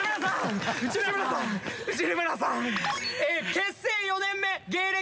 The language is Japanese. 結成４年目芸歴